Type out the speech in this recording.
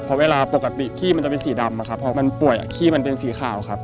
เพราะเวลาปกติขี้มันจะเป็นสีดำอะครับพอมันป่วยขี้มันเป็นสีขาวครับ